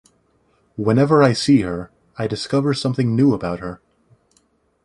Whenever I see her, I discover something new about her.